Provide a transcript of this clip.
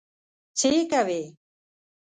څه یې کوې؟